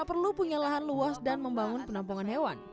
tak perlu punya lahan luas dan membangun penampungan hewan